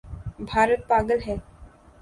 بھارت پاگل ہے